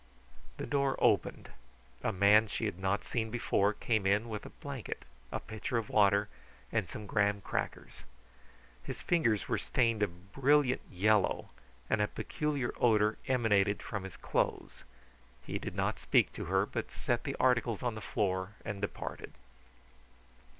The door opened. A man she had not seen before came in with a blanket, a pitcher of water, and some graham crackers. His fingers were stained a brilliant yellow and a peculiar odour emanated from his clothes. He did not speak to her, but set the articles on the floor and departed.